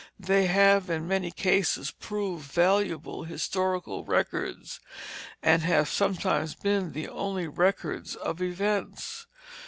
They have in many cases proved valuable historical records, and have sometimes been the only records of events.